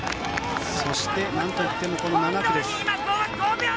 そして、なんといってもこの７区です。